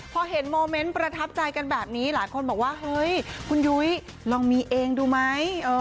พอเห็นโมเมนต์ประทับใจกันแบบนี้หลายคนบอกว่าเฮ้ยคุณยุ้ยลองมีเองดูไหม